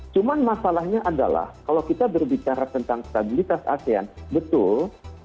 cuman masalahnya adalah kalau kita berbicara tentang stabilitas asean betul